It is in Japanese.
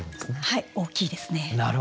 はい大きいですね。